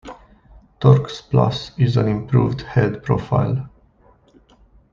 Torx Plus is an improved head profile.